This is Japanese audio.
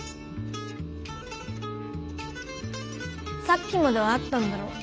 さっきまではあったんだろう？